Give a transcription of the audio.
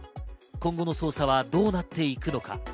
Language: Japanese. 今後の捜査はどうなっていくのか。